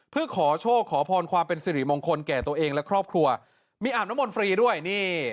เพื่อขอโชคขอพรความเป็นสิริมงคลแก่ตัวเองและครอบครัวมีอาบน้ำมนต์ฟรีด้วยนี่